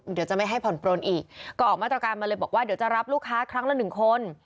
เดี๋ยวจะไม่ให้ผ่อนปลนอีกก็ออกมาตรการมาเลยบอกว่าเดี๋ยวจะรับลูกค้าครั้งละหนึ่งคน